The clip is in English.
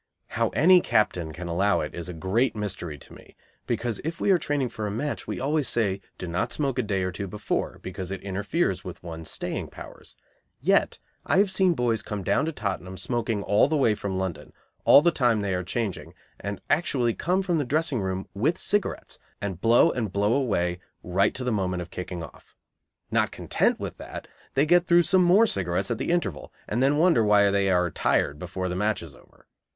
How any captain can allow it is a great mystery to me, because if we are training for a match we always say do not smoke a day or two before, because it interferes with one's staying powers. Yet I have seen boys come down to Tottenham smoking all the way from London, all the time they are changing, and actually come from the dressing room with cigarettes, and blow and blow away right to the moment of kicking off. Not content with that, they get through some more cigarettes at the interval, and then wonder why they are tired before the match is over.